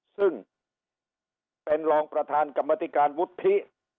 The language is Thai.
ซึ่งเป็นรองประธานกรรมติการวุฒิ